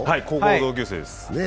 高校の同級生です。